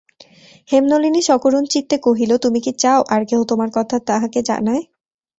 হেমনলিনী সকরুণচিত্তে কহিল, তুমি কি চাও আর-কেহ তোমার কথা তাঁহাকে জানায়?